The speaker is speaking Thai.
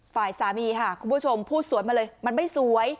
ฝ่ายสามีค่ะคุณผู้ชมพูดสวยมาเลยมันไม่สวย